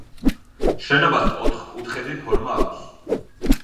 შენობას ოთხკუთხედი ფორმა აქვს.